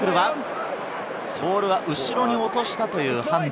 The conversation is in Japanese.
ボールは後ろに落としたという判断。